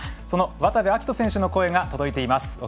その渡部暁斗選手の声が届いています。